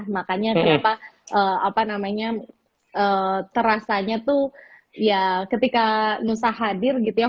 makanya kenapa apa namanya terasanya tuh ya ketika nusa hadir gitu ya